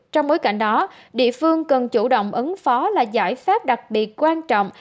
trong bối cảnh đó địa phương cần chủ động ứng phó là giải pháp đặc biệt quan trọng